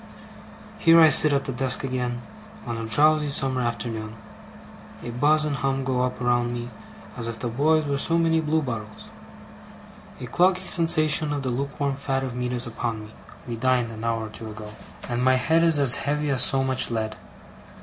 Here I sit at the desk again, on a drowsy summer afternoon. A buzz and hum go up around me, as if the boys were so many bluebottles. A cloggy sensation of the lukewarm fat of meat is upon me (we dined an hour or two ago), and my head is as heavy as so much lead.